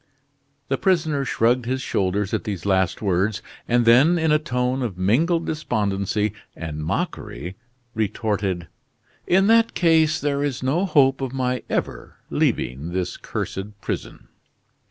The prisoner shrugged his shoulders at these last words, and then in a tone of mingled despondency and mockery retorted: "In that case there is no hope of my ever leaving this cursed prison!"